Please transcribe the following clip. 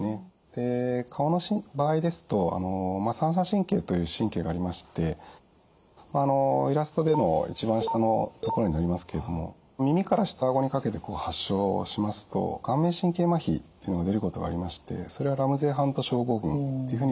で顔の場合ですと三叉神経という神経がありましてイラストでの一番下のところになりますけれども耳から下顎にかけて発症しますと顔面神経まひっていうのが出ることがありましてそれはラムゼイ・ハント症候群っていうふうに呼ばれています。